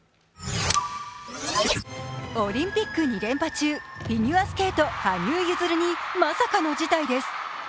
オリンピック２連覇中フィギュアスケート・羽生結弦にまさかの事態です。